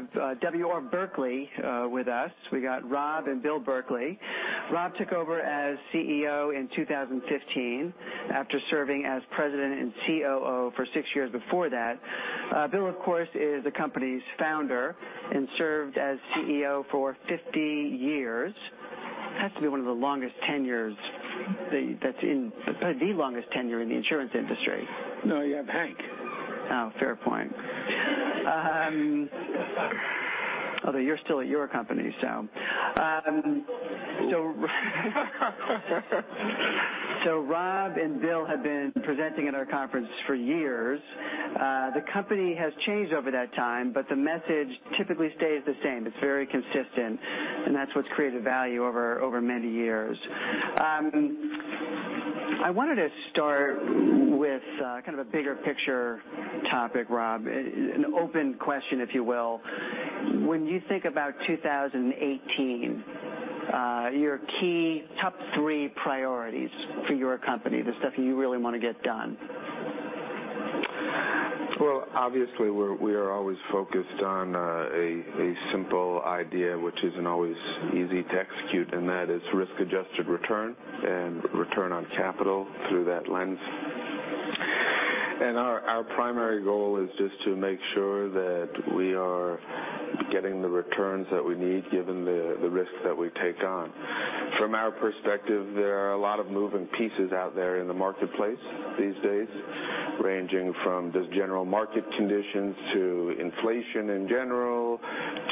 Pleased to have W. R. Berkley with us. We got Rob and Bill Berkley. Rob took over as CEO in 2015 after serving as President and COO for six years before that. Bill, of course, is the company's Founder and served as CEO for 50 years. Has to be one of the longest tenures, probably the longest tenure in the insurance industry. No, you have Hank. Oh, fair point. Although you're still at your company. Rob and Bill have been presenting at our conference for years. The company has changed over that time, but the message typically stays the same. It's very consistent, and that's what's created value over many years. I wanted to start with kind of a bigger picture topic, Rob, an open question, if you will. When you think about 2018, your key top 3 priorities for your company, the stuff you really want to get done. Well, obviously, we are always focused on a simple idea, which isn't always easy to execute, and that is risk-adjusted return and return on capital through that lens. Our primary goal is just to make sure that we are getting the returns that we need given the risks that we take on. From our perspective, there are a lot of moving pieces out there in the marketplace these days, ranging from just general market conditions to inflation in general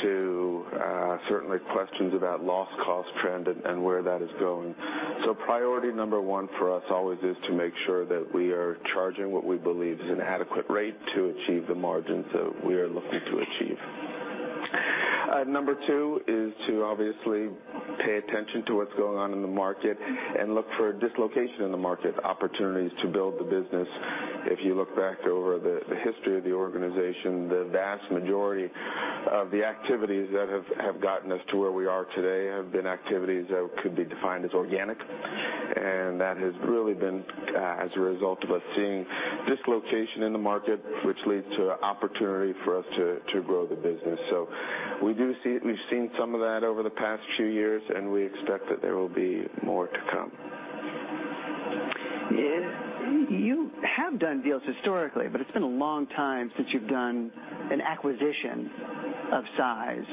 to certainly questions about loss cost trend and where that is going. Priority number 1 for us always is to make sure that we are charging what we believe is an adequate rate to achieve the margins that we are looking to achieve. Number 2 is to obviously pay attention to what's going on in the market and look for dislocation in the market, opportunities to build the business. If you look back over the history of the organization, the vast majority of the activities that have gotten us to where we are today have been activities that could be defined as organic, that has really been as a result of us seeing dislocation in the market, which leads to opportunity for us to grow the business. We've seen some of that over the past few years, and we expect that there will be more to come. You have done deals historically, it's been a long time since you've done an acquisition of size.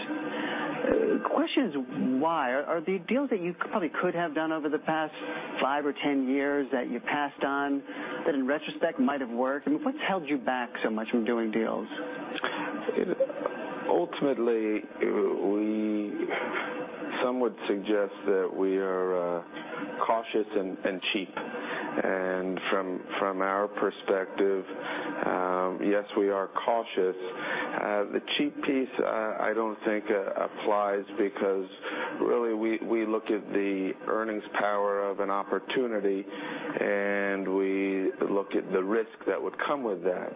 Question is why? Are they deals that you probably could have done over the past five or 10 years that you passed on that in retrospect might have worked? What's held you back so much from doing deals? Ultimately, some would suggest that we are cautious and cheap. From our perspective, yes, we are cautious. The cheap piece I don't think applies because really we look at the earnings power of an opportunity, we look at the risk that would come with that.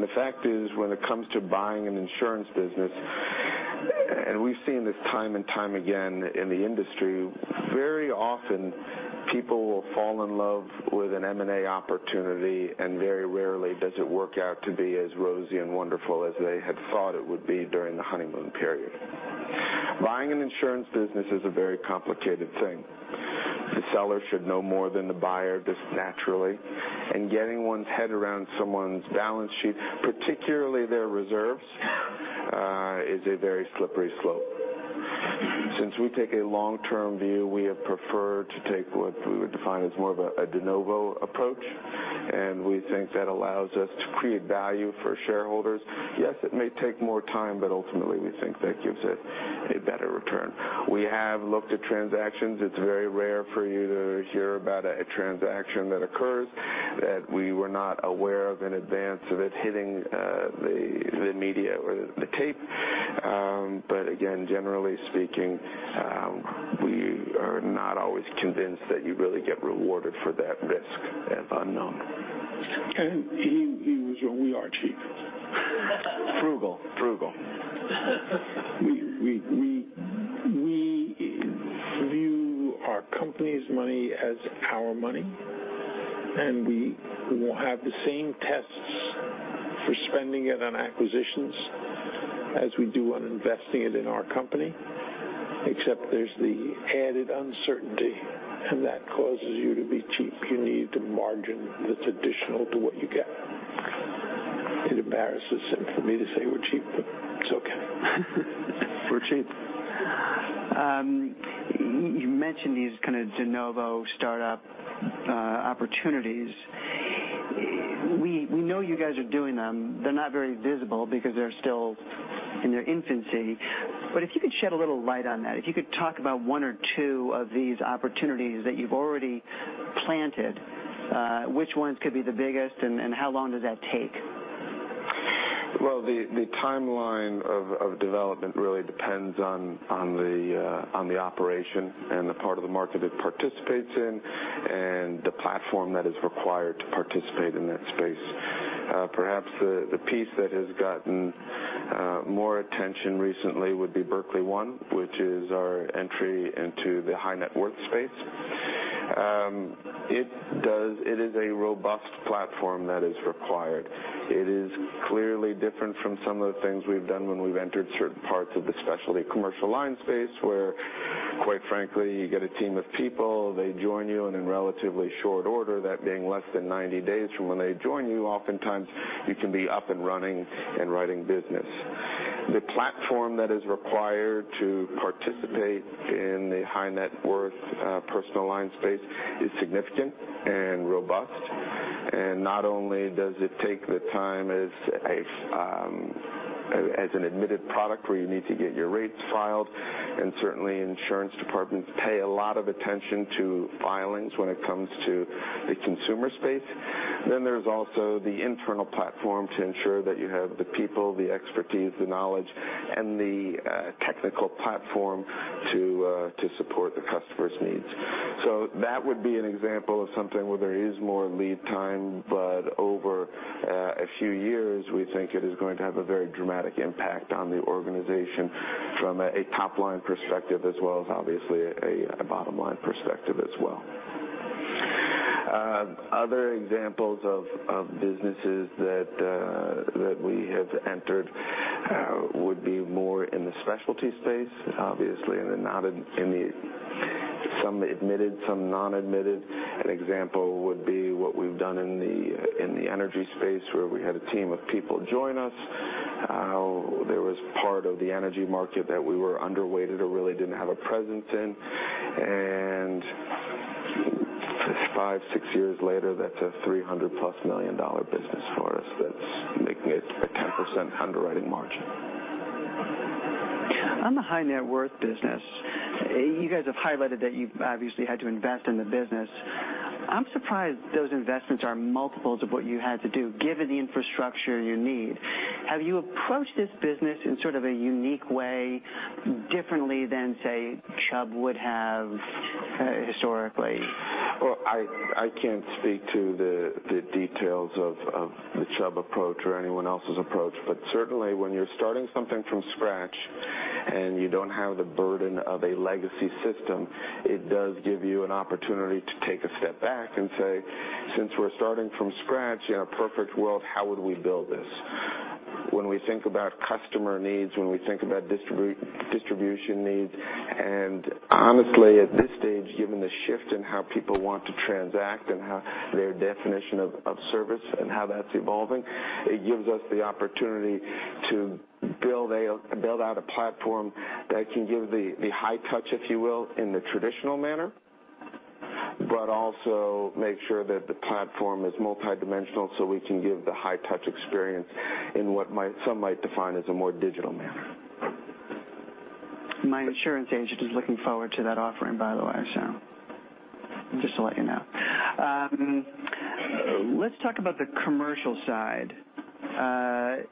The fact is, when it comes to buying an insurance business, we've seen this time and time again in the industry, very often people will fall in love with an M&A opportunity, very rarely does it work out to be as rosy and wonderful as they had thought it would be during the honeymoon period. Buying an insurance business is a very complicated thing. The seller should know more than the buyer, just naturally. Getting one's head around someone's balance sheet, particularly their reserves, is a very slippery slope. Since we take a long-term view, we have preferred to take what we would define as more of a de novo approach, we think that allows us to create value for shareholders. Yes, it may take more time, ultimately, we think that gives it a better return. We have looked at transactions. It's very rare for you to hear about a transaction that occurs that we were not aware of in advance of it hitting the media or the tape. Again, generally speaking, we are not always convinced that you really get rewarded for that risk of unknown. He was wrong. We are cheap. Frugal. Frugal. We view our company's money as our money, and we will have the same tests for spending it on acquisitions as we do on investing it in our company, except there's the added uncertainty, and that causes you to be cheap. You need the margin that's additional to what you get. It embarrasses for me to say we're cheap, but it's okay. We're cheap. You mentioned these kind of de novo startup opportunities. We know you guys are doing them. They're not very visible because they're still in their infancy. If you could shed a little light on that, if you could talk about one or two of these opportunities that you've already planted, which ones could be the biggest, and how long does that take? Well, the timeline of development really depends on the operation and the part of the market it participates in. Platform that is required to participate in that space. Perhaps the piece that has gotten more attention recently would be Berkley One, which is our entry into the high net worth space. It is a robust platform that is required. It is clearly different from some of the things we've done when we've entered certain parts of the specialty commercial line space, where quite frankly, you get a team of people, they join you and in relatively short order, that being less than 90 days from when they join you, oftentimes you can be up and running and writing business. The platform that is required to participate in the high net worth personal line space is significant and robust. Not only does it take the time as an admitted product where you need to get your rates filed, and certainly insurance departments pay a lot of attention to filings when it comes to the consumer space. There's also the internal platform to ensure that you have the people, the expertise, the knowledge, and the technical platform to support the customer's needs. That would be an example of something where there is more lead time, but over a few years, we think it is going to have a very dramatic impact on the organization from a top-line perspective as well as obviously a bottom-line perspective as well. Other examples of businesses that we have entered would be more in the specialty space, obviously, some admitted, some non-admitted. An example would be what we've done in the energy space where we had a team of people join us. There was part of the energy market that we were underweighted or really didn't have a presence in. Five, six years later, that's a $300-plus million-dollar business for us that's making a 10% underwriting margin. On the high net worth business, you guys have highlighted that you've obviously had to invest in the business. I'm surprised those investments are multiples of what you had to do given the infrastructure you need. Have you approached this business in sort of a unique way, differently than, say, Chubb would have historically? I can't speak to the details of the Chubb approach or anyone else's approach. Certainly when you're starting something from scratch and you don't have the burden of a legacy system, it does give you an opportunity to take a step back and say, "Since we're starting from scratch, in a perfect world, how would we build this?" When we think about customer needs, when we think about distribution needs, and honestly, at this stage, given the shift in how people want to transact and how their definition of service and how that's evolving, it gives us the opportunity to build out a platform that can give the high touch, if you will, in the traditional manner. Also make sure that the platform is multidimensional so we can give the high touch experience in what some might define as a more digital manner. My insurance agent is looking forward to that offering, by the way, so just to let you know. Let's talk about the commercial side.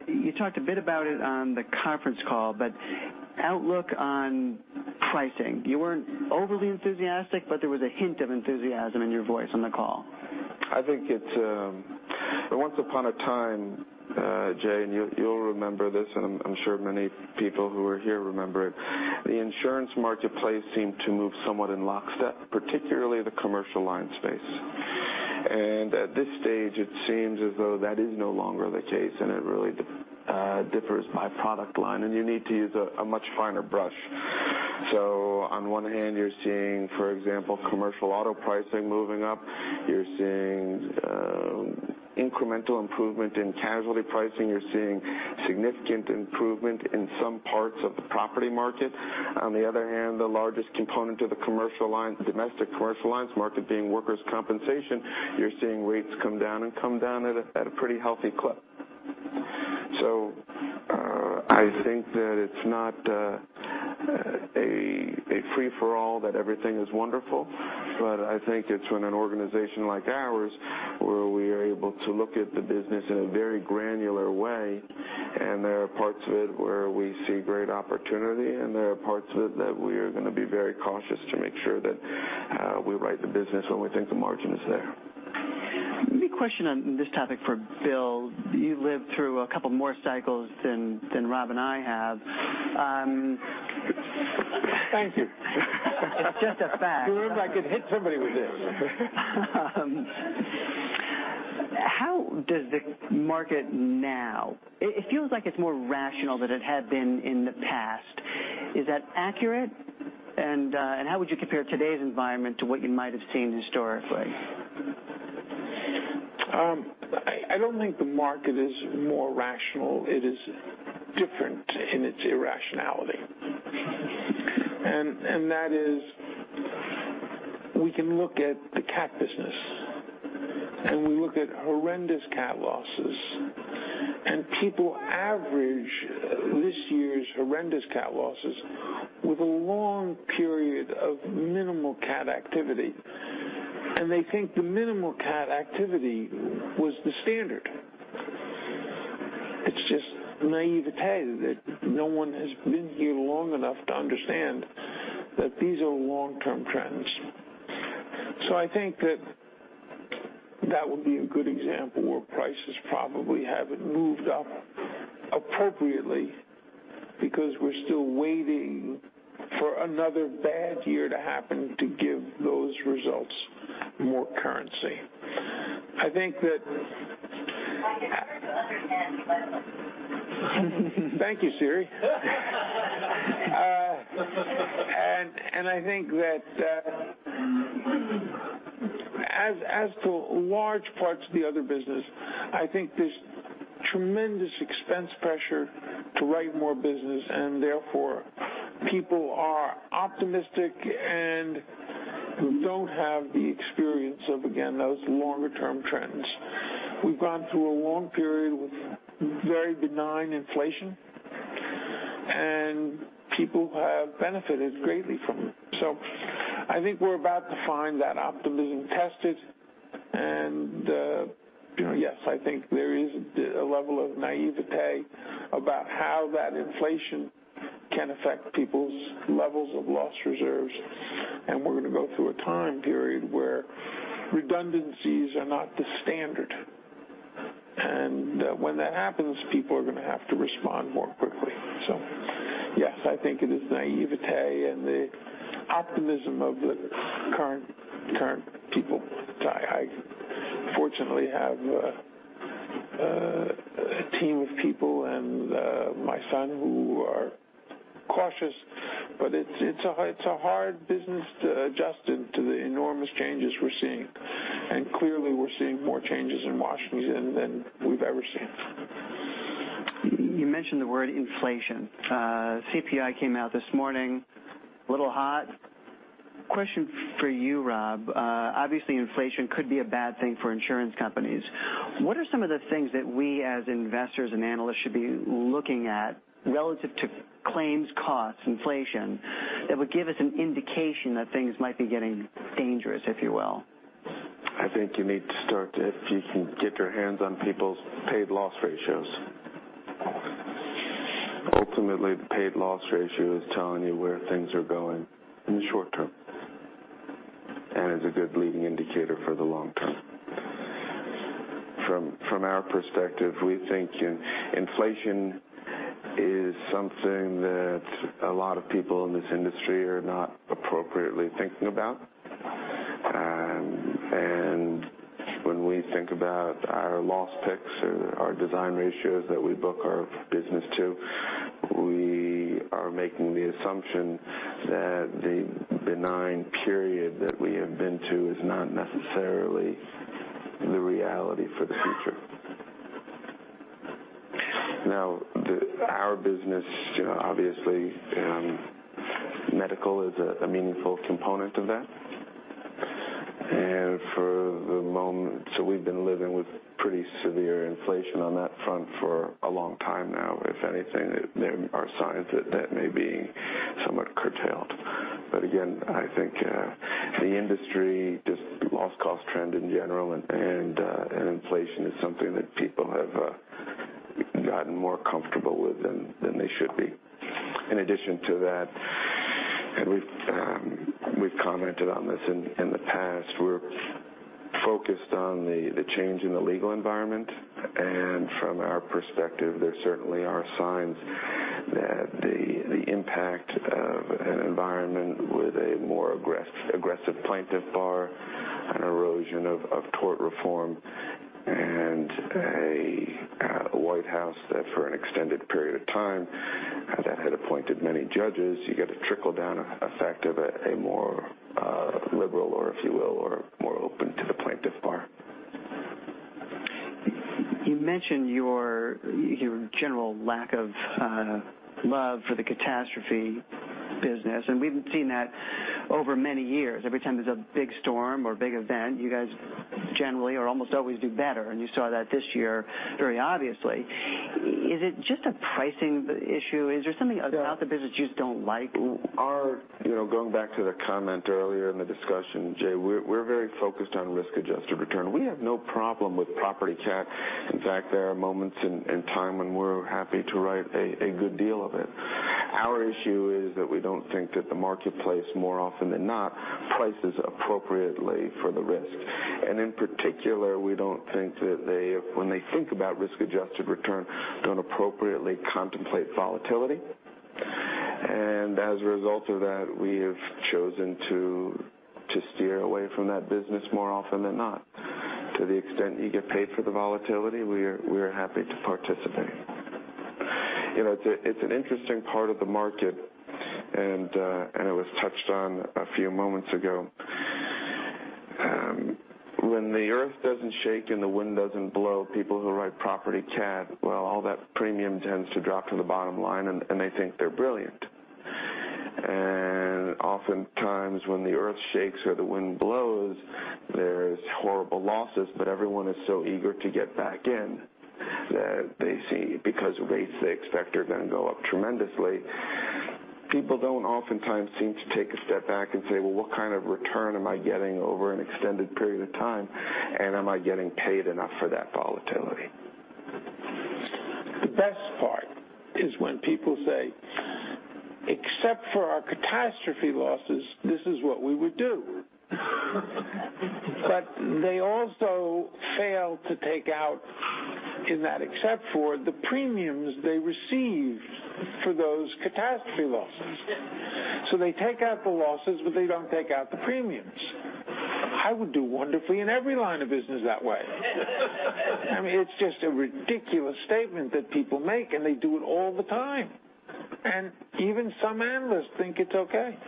You talked a bit about it on the conference call, outlook on pricing. You weren't overly enthusiastic, but there was a hint of enthusiasm in your voice on the call. I think once upon a time, Jay, and you'll remember this, and I'm sure many people who are here remember it, the insurance marketplace seemed to move somewhat in lockstep, particularly the commercial line space. At this stage, it seems as though that is no longer the case, and it really differs by product line, and you need to use a much finer brush. On one hand, you're seeing, for example, commercial auto pricing moving up. You're seeing incremental improvement in casualty pricing. You're seeing significant improvement in some parts of the property market. On the other hand, the largest component of the domestic commercial lines market being workers' compensation, you're seeing rates come down and come down at a pretty healthy clip. I think that it's not a free-for-all that everything is wonderful, but I think it's when an organization like ours where we are able to look at the business in a very granular way, and there are parts of it where we see great opportunity and there are parts of it that we are going to be very cautious to make sure that we write the business when we think the margin is there. Let me question on this topic for Bill. You've lived through a couple more cycles than Rob and I have. Thank you. It's just a fact. It seems like I could hit somebody with this. How does the market now it feels like it's more rational than it had been in the past. Is that accurate? How would you compare today's environment to what you might have seen historically? I don't think the market is more rational. It is different in its irrationality. That is we can look at the cat business, and we look at horrendous cat losses, and people average this year's horrendous cat losses with a long period of minimal cat activity, and they think the minimal cat activity was the standard. It's just naivete that no one has been here long enough to understand that these are long-term trends. I think that would be a good example where prices probably haven't moved up appropriately because we're still waiting for another bad year to happen to give those results more currency. I can try to understand. Thank you, Siri. I think that as to large parts of the other business, I think there's tremendous expense pressure to write more business and therefore people are optimistic and don't have the experience of, again, those longer-term trends. We've gone through a long period with very benign inflation and people have benefited greatly from it. I think we're about to find that optimism tested and, yes, I think there is a level of naivete about how that inflation can affect people's levels of loss reserves. We're going to go through a time period where redundancies are not the standard, and when that happens, people are going to have to respond more quickly. Yes, I think it is naivete and the optimism of the current people. I fortunately have a team of people and my son who are cautious, but it's a hard business to adjust to the enormous changes we're seeing, and clearly we're seeing more changes in Washington than we've ever seen. You mentioned the word inflation. CPI came out this morning, a little hot. Question for you, Rob. Obviously, inflation could be a bad thing for insurance companies. What are some of the things that we, as investors and analysts, should be looking at relative to claims costs, inflation, that would give us an indication that things might be getting dangerous, if you will? I think you need to start to if you can get your hands on people's paid loss ratios. Ultimately, the paid loss ratio is telling you where things are going in the short term and is a good leading indicator for the long term. From our perspective, we think inflation is something that a lot of people in this industry are not appropriately thinking about. When we think about our loss picks or our design ratios that we book our business to, we are making the assumption that the benign period that we have been to is not necessarily the reality for the future. Now, our business, obviously medical is a meaningful component of that. We've been living with pretty severe inflation on that front for a long time now. If anything, there are signs that that may be somewhat curtailed. Again, I think the industry just loss cost trend in general and inflation is something that people have gotten more comfortable with than they should be. In addition to that, and we've commented on this in the past, we're focused on the change in the legal environment. From our perspective, there certainly are signs that the impact of an environment with a more aggressive plaintiff bar, an erosion of tort reform, and a White House that for an extended period of time that had appointed many judges, you get a trickle-down effect of a more liberal or, if you will, or more open to the plaintiff bar. You mentioned your general lack of love for the catastrophe business. We've seen that over many years. Every time there's a big storm or big event, you guys generally or almost always do better. You saw that this year very obviously. Is it just a pricing issue? Is there something about the business you just don't like? Going back to the comment earlier in the discussion, Jay, we're very focused on risk-adjusted return. We have no problem with property cat. In fact, there are moments in time when we're happy to write a good deal of it. Our issue is that we don't think that the marketplace, more often than not, prices appropriately for the risk. In particular, we don't think that they, when they think about risk-adjusted return, don't appropriately contemplate volatility. As a result of that, we have chosen to steer away from that business more often than not. To the extent you get paid for the volatility, we are happy to participate. It's an interesting part of the market. It was touched on a few moments ago. When the earth doesn't shake and the wind doesn't blow, people who write property cat, well, all that premium tends to drop to the bottom line. They think they're brilliant. Oftentimes, when the earth shakes or the wind blows, there's horrible losses, everyone is so eager to get back in that they see because rates they expect are going to go up tremendously People don't oftentimes seem to take a step back and say, "Well, what kind of return am I getting over an extended period of time? Am I getting paid enough for that volatility? The best part is when people say, "Except for our catastrophe losses, this is what we would do." They also fail to take out in that except for the premiums they received for those catastrophe losses. They take out the losses, but they don't take out the premiums. I would do wonderfully in every line of business that way. It's just a ridiculous statement that people make, and they do it all the time. Even some analysts think it's okay.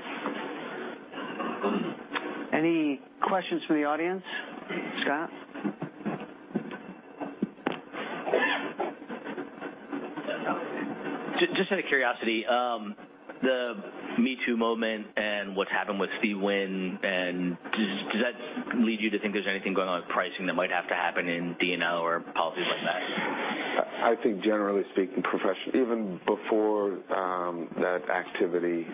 Any questions from the audience? Scott? Just out of curiosity, the #MeToo moment and what's happened with Steve Wynn, does that lead you to think there's anything going on with pricing that might have to happen in D&O or policy like that? I think generally speaking, even before that activity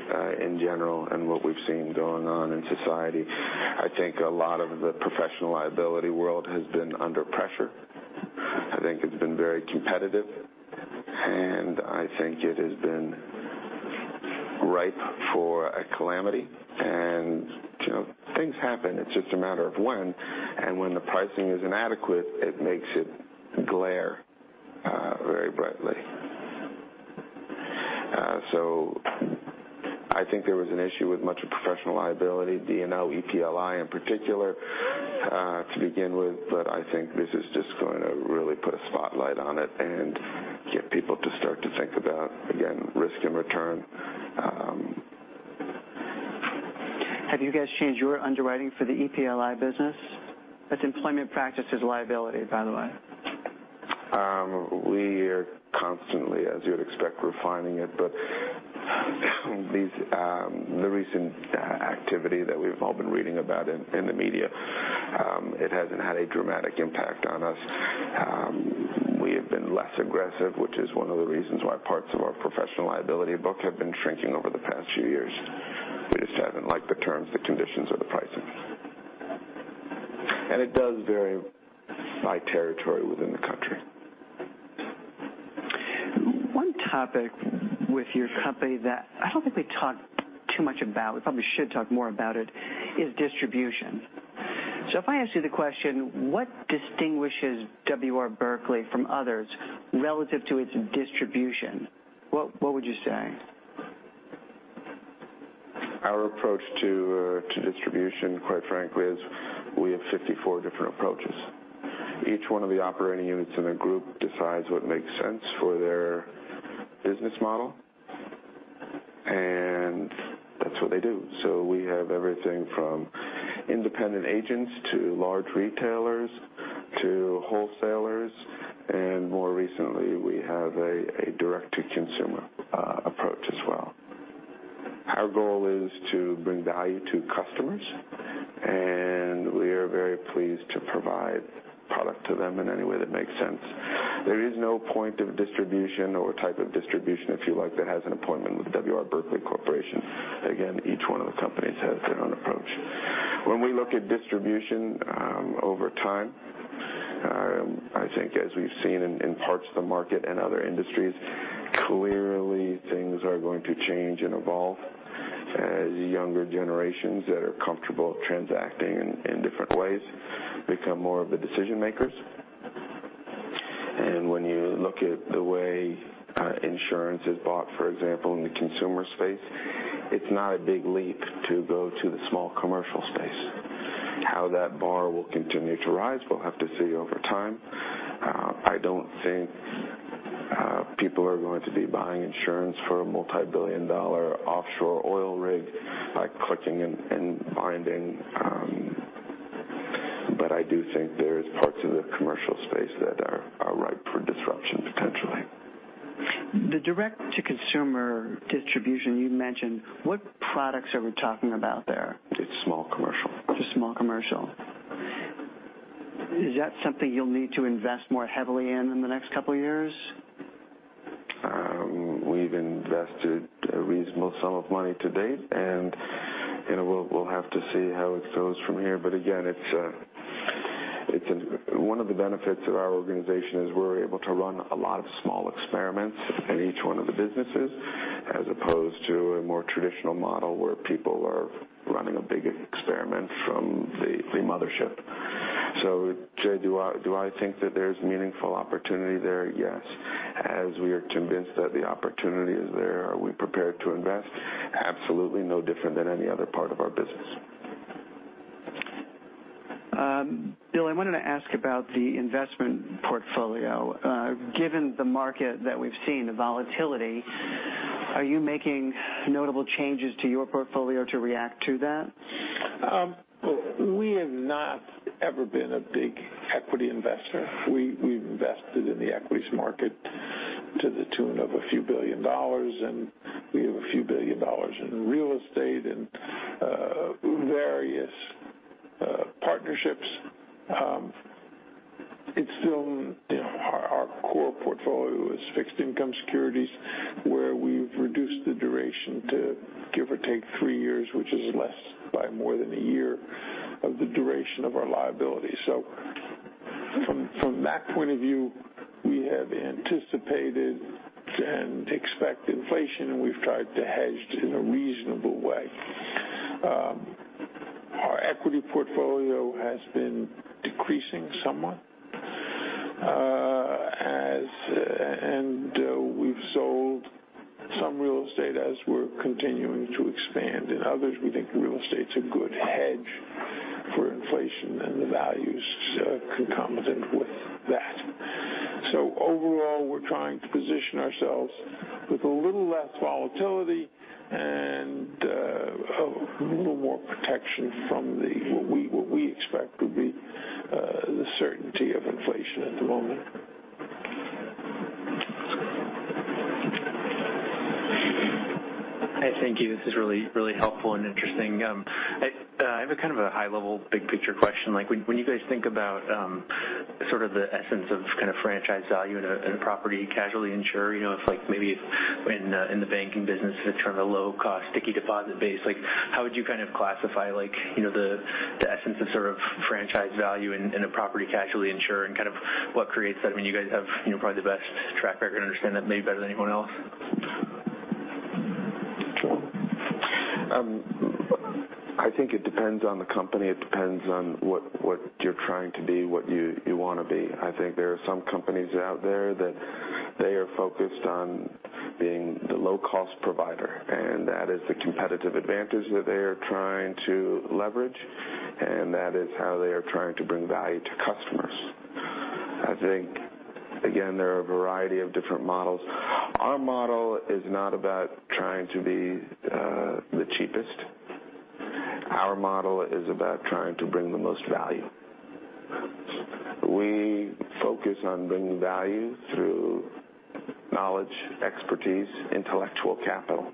in general and what we've seen going on in society, I think a lot of the professional liability world has been under pressure. I think it's been very competitive, and I think it has been ripe for a calamity. Things happen. It's just a matter of when. When the pricing is inadequate, it makes it glare very brightly. I think there was an issue with much of professional liability, D&O, EPLI in particular to begin with. I think this is just going to really put a spotlight on it and get people to start to think about, again, risk and return. Have you guys changed your underwriting for the EPLI business? That's employment practices liability, by the way. We are constantly, as you would expect, refining it. The recent activity that we've all been reading about in the media, it hasn't had a dramatic impact on us. We have been less aggressive, which is one of the reasons why parts of our professional liability book have been shrinking over the past few years. We just haven't liked the terms, the conditions, or the pricing. It does vary by territory within the country. One topic with your company that I don't think we talked too much about, we probably should talk more about it, is distribution. If I ask you the question, what distinguishes W. R. Berkley from others relative to its distribution, what would you say? Our approach to distribution, quite frankly, is we have 54 different approaches. Each one of the operating units in a group decides what makes sense for their business model, and that's what they do. We have everything from independent agents to large retailers to wholesalers, and more recently, we have a direct-to-consumer approach as well. Our goal is to bring value to customers, and we are very pleased to provide product to them in any way that makes sense. There is no point of distribution or type of distribution, if you like, that has an appointment with W. R. Berkley Corporation. Again, each one of the companies has their own approach. When we look at distribution over time, I think as we've seen in parts of the market and other industries, clearly things are going to change and evolve as younger generations that are comfortable transacting in different ways become more of the decision-makers. When you look at the way insurance is bought, for example, in the consumer space, it's not a big leap to go to the small commercial space. How that bar will continue to rise, we'll have to see over time. I don't think people are going to be buying insurance for a multi-billion-dollar offshore oil rig by clicking and binding. I do think there's parts of the commercial space that are ripe for disruption, potentially. The direct-to-consumer distribution you mentioned, what products are we talking about there? It's small commercial. Just small commercial. Is that something you'll need to invest more heavily in in the next couple of years? We've invested a reasonable sum of money to date, we'll have to see how it goes from here. Again, one of the benefits of our organization is we're able to run a lot of small experiments in each one of the businesses, as opposed to a more traditional model where people are running a big experiment from the mothership. Jay, do I think that there's meaningful opportunity there? Yes. As we are convinced that the opportunity is there, are we prepared to invest? Absolutely, no different than any other part of our business. Bill, I wanted to ask about the investment portfolio. Given the market that we've seen, the volatility, are you making notable changes to your portfolio to react to that? We have not ever been a big equity investor. We've invested in the equities market to the tune of a few billion dollars, we have a few billion dollars in real estate and various. Our core portfolio is fixed income securities, where we've reduced the duration to give or take three years, which is less by more than a year of the duration of our liability. From that point of view, we have anticipated and expect inflation, we've tried to hedge in a reasonable way. Our equity portfolio has been decreasing somewhat, we've sold some real estate as we're continuing to expand in others. We think real estate's a good hedge for inflation and the values concomitant with that. Overall, we're trying to position ourselves with a little less volatility and a little more protection from what we expect would be the certainty of inflation at the moment. Thank you. This is really helpful and interesting. I have a high-level, big-picture question. When you guys think about the essence of franchise value in a property casualty insurer, if maybe in the banking business, it's kind of a low-cost sticky deposit base, how would you classify the essence of franchise value in a property casualty insurer and what creates that? You guys have probably the best track record and understand that maybe better than anyone else. Sure. I think it depends on the company. It depends on what you're trying to be, what you want to be. I think there are some companies out there that they are focused on being the low-cost provider. That is the competitive advantage that they are trying to leverage. That is how they are trying to bring value to customers. I think, again, there are a variety of different models. Our model is not about trying to be the cheapest. Our model is about trying to bring the most value. We focus on bringing value through knowledge, expertise, intellectual capital.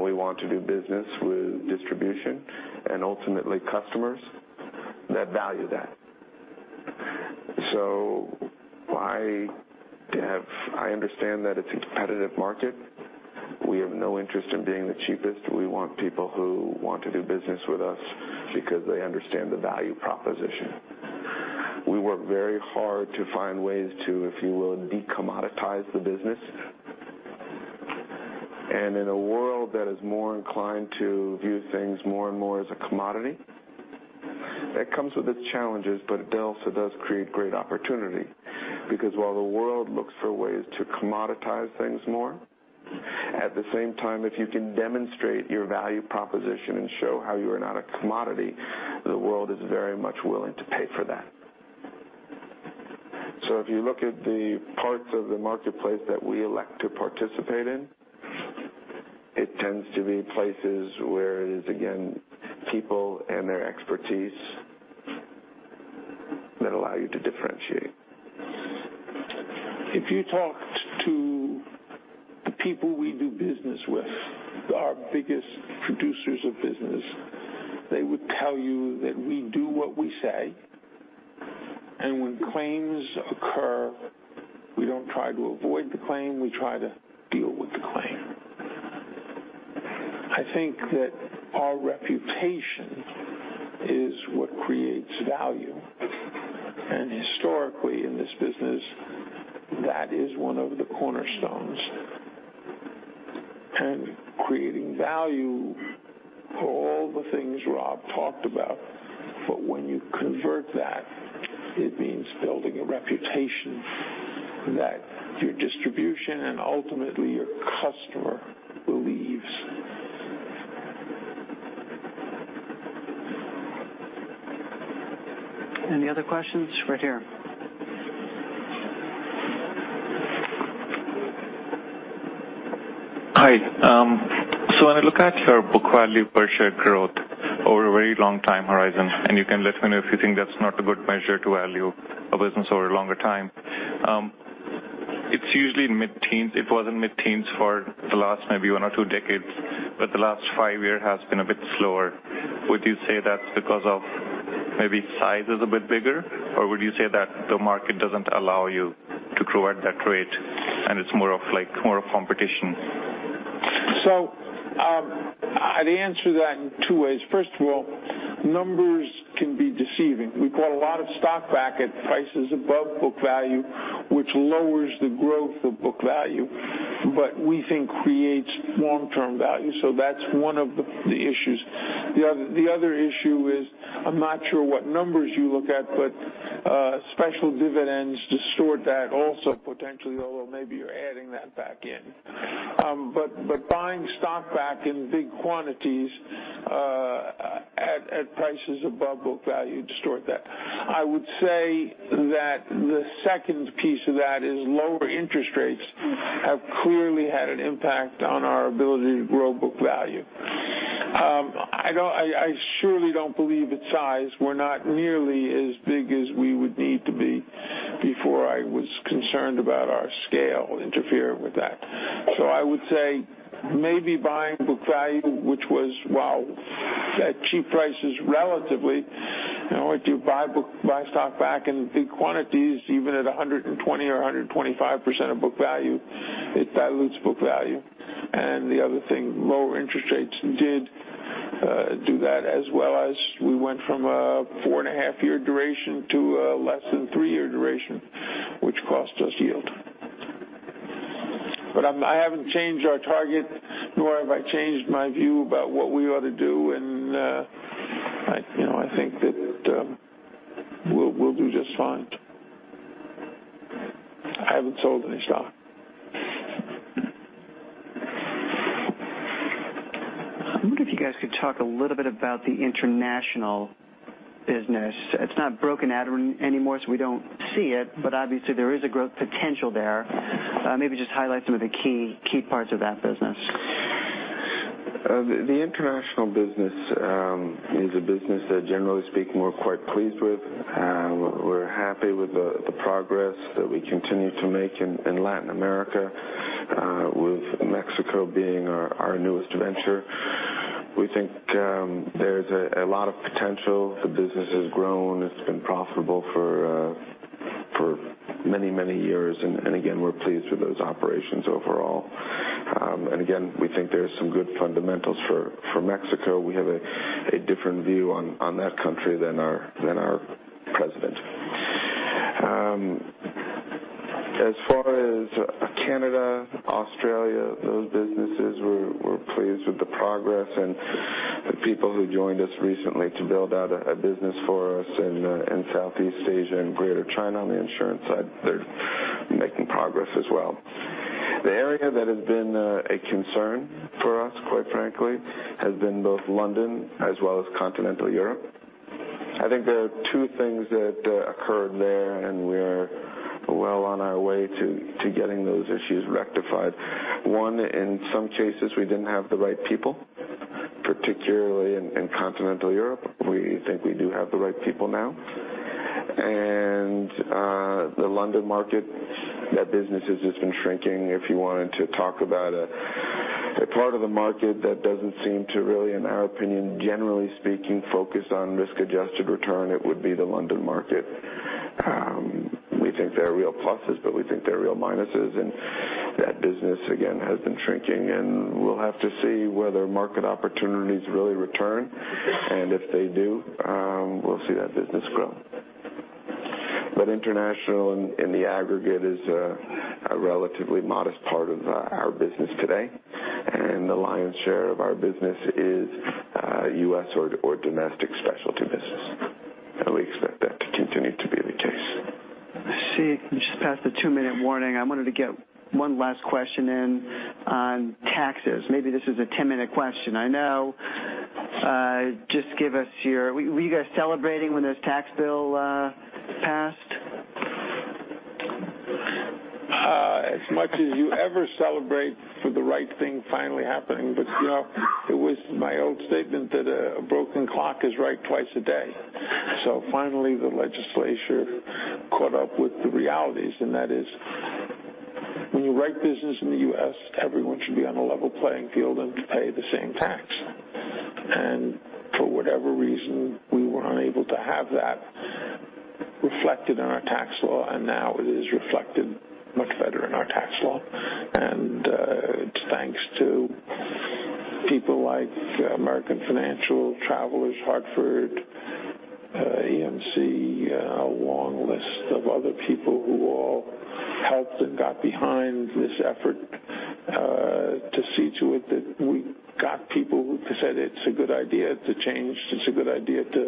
We want to do business with distribution and ultimately customers that value that. I understand that it's a competitive market. We have no interest in being the cheapest. We want people who want to do business with us because they understand the value proposition. We work very hard to find ways to, if you will, de-commoditize the business. In a world that is more inclined to view things more and more as a commodity, that comes with its challenges. It also does create great opportunity. While the world looks for ways to commoditize things more, at the same time, if you can demonstrate your value proposition and show how you are not a commodity, the world is very much willing to pay for that. If you look at the parts of the marketplace that we elect to participate in, it tends to be places where it is, again, people and their expertise that allow you to differentiate. If you talked to the people we do business with, our biggest producers of business, they would tell you that we do what we say. When claims occur, we don't try to avoid the claim, we try to deal with the claim. I think that our reputation is what creates value. Historically in this business, that is one of the cornerstones. Creating value for all the things Rob talked about. When you convert that, it means building a reputation that your distribution and ultimately your customer believes. Any other questions? Right here. Hi. When I look at your book value per share growth over a very long time horizon, and you can let me know if you think that's not a good measure to value a business over a longer time. It's usually mid-teens. It was in mid-teens for the last maybe one or two decades, but the last five years has been a bit slower. Would you say that's because of maybe size is a bit bigger, or would you say that the market doesn't allow you to grow at that rate and it's more of competition? I'd answer that in two ways. First of all, numbers can be deceiving. We bought a lot of stock back at prices above book value, which lowers the growth of book value, but we think creates long-term value. That's one of the issues. The other issue is, I'm not sure what numbers you look at, special dividends distort that also, potentially, although maybe you're adding that back in. Buying stock back in big quantities at prices above book value distort that. I would say that the second piece of that is lower interest rates have clearly had an impact on our ability to grow book value. I surely don't believe it's size. We're not nearly as big as we would need to be before I would- Concerned about our scale interfering with that. I would say maybe buying book value, which was, well, at cheap prices, relatively. If you buy stock back in big quantities, even at 120% or 125% of book value, it dilutes book value. The other thing, lower interest rates did do that as well as we went from a four-and-a-half-year duration to a less than three-year duration, which cost us yield. I haven't changed our target, nor have I changed my view about what we ought to do, and I think that we'll do just fine. I haven't sold any stock. I wonder if you guys could talk a little bit about the international business. It's not broken out anymore, so we don't see it, but obviously, there is a growth potential there. Maybe just highlight some of the key parts of that business. The international business is a business that, generally speaking, we're quite pleased with. We're happy with the progress that we continue to make in Latin America, with Mexico being our newest venture. We think there's a lot of potential. The business has grown. It's been profitable for many, many years, and again, we're pleased with those operations overall. We think there are some good fundamentals for Mexico. We have a different view on that country than our president. As far as Canada, Australia, those businesses, we're pleased with the progress, and the people who joined us recently to build out a business for us in Southeast Asia and Greater China on the insurance side. They're making progress as well. The area that has been a concern for us, quite frankly, has been both London as well as continental Europe. I think there are two things that occurred there, and we are well on our way to getting those issues rectified. One, in some cases, we didn't have the right people, particularly in continental Europe. We think we do have the right people now. The London market, that business has just been shrinking. If you wanted to talk about a part of the market that doesn't seem to really, in our opinion, generally speaking, focus on risk-adjusted return, it would be the London market. We think there are real pluses, but we think there are real minuses. That business, again, has been shrinking, and we'll have to see whether market opportunities really return. If they do, we'll see that business grow. International in the aggregate is a relatively modest part of our business today, and the lion's share of our business is U.S. or domestic specialty business. We expect that to continue to be the case. I see we just passed the two-minute warning. I wanted to get one last question in on taxes. Maybe this is a 10-minute question. I know. Just give us your. Were you guys celebrating when this tax bill passed? As much as you ever celebrate for the right thing finally happening. It was my old statement that a broken clock is right twice a day. Finally, the legislature caught up with the realities, and that is when you write business in the U.S., everyone should be on a level playing field and pay the same tax. For whatever reason, we were unable to have that reflected in our tax law, and now it is reflected much better in our tax law. It's thanks to people like American Financial, Travelers, Hartford, EMC, a long list of other people who all helped and got behind this effort to see to it that we got people who said it's a good idea to change, it's a good idea to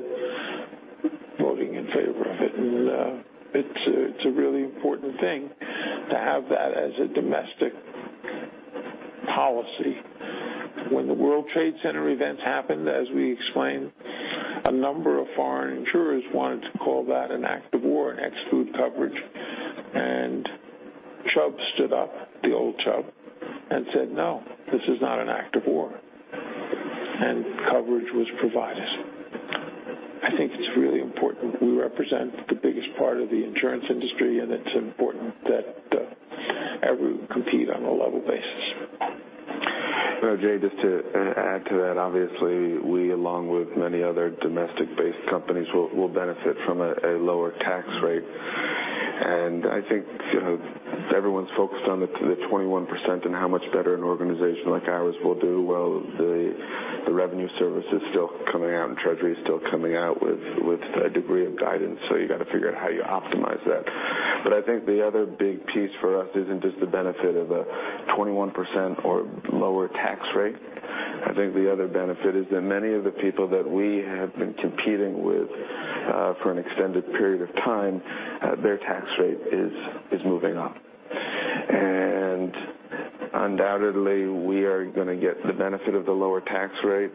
voting in favor of it. It's a really important thing to have that as a domestic policy. When the World Trade Center events happened, as we explained, a number of foreign insurers wanted to call that an act of war and exclude coverage. Chubb stood up, the old Chubb, and said, "No, this is not an act of war." Coverage was provided. I think it's really important. We represent the biggest part of the insurance industry, it's important that everyone compete on a level basis. Jay, just to add to that. Obviously, we, along with many other domestic-based companies, will benefit from a lower tax rate. I think everyone's focused on the 21% and how much better an organization like ours will do. Well, the Revenue Service is still coming out, and Treasury is still coming out with a degree of guidance, you got to figure out how you optimize that. I think the other big piece for us isn't just the benefit of a 21% or lower tax rate. I think the other benefit is that many of the people that we have been competing with for an extended period of time, their tax rate is moving up. Undoubtedly, we are going to get the benefit of the lower tax rate,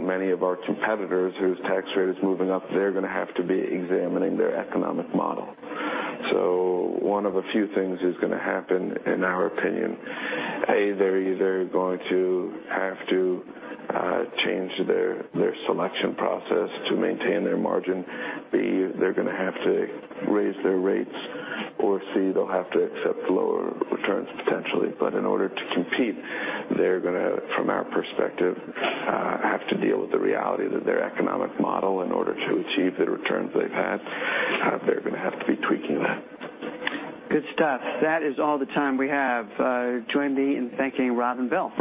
many of our competitors whose tax rate is moving up, they're going to have to be examining their economic model. One of a few things is going to happen, in our opinion. A, they're either going to have to change their selection process to maintain their margin. B, they're going to have to raise their rates. C, they'll have to accept lower returns, potentially. In order to compete, they're going to, from our perspective, have to deal with the reality that their economic model, in order to achieve the returns they've had, they're going to have to be tweaking that. Good stuff. That is all the time we have. Join me in thanking Rob and Bill.